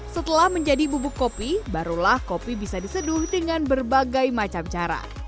setelah menjadi bubuk kopi barulah kopi bisa diseduh dengan berbagai macam cara